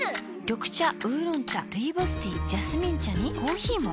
緑茶烏龍茶ルイボスティージャスミン茶にコーヒーも。